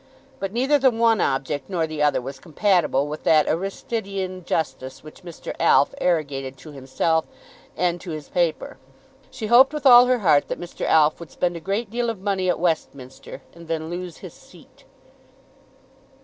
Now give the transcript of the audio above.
But neither the one object nor the other was compatible with that Aristidean justice which Mr. Alf arrogated to himself and to his paper. She hoped with all her heart that Mr. Alf would spend a great deal of money at Westminster, and then lose his seat.